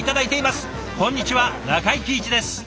こんにちは中井貴一です。